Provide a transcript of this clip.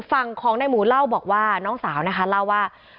ฝั่งของในหมูเล่าบอกว่าน้องสาวนะคะเล่าว่า